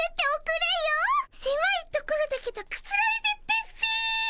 せまいところだけどくつろいでってっピィ。